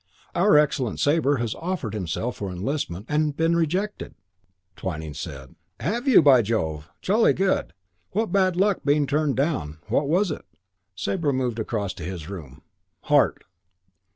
"Our excellent Sabre has offered himself for enlistment and been rejected." Twyning said, "Have you, by Jove! Jolly good. What bad luck being turned down. What was it?" Sabre moved across to his room. "Heart."